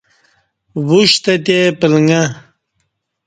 وشتہ تے پلݩگہ